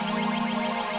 lu mau ngapasih lu